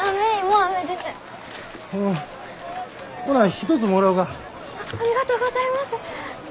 ありがとうございます。